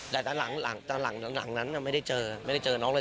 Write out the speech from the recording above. แต่ขนาดหลังนั้นน่ะไม่ได้เจอน้องเลย